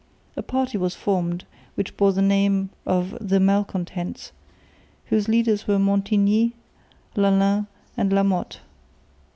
A party was formed, which bore the name of "The Malcontents," whose leaders were Montigny, Lalaing and La Motte.